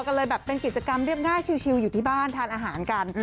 ก็เลยแบบเป็นกิจกรรมเรียบง่ายชิลอยู่ที่บ้านทานอาหารกัน